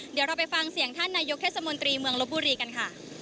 เดี๋ยวเราไปฟังเสียงท่านนายกเทศมนตรีเมืองลบบุรีกันค่ะ